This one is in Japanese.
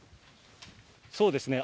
そうですね。